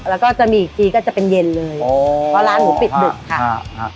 แล้วก็จะมีอีกทีก็จะเป็นเย็นเลยโอ้เพราะร้านหนูปิดดึกค่ะครับ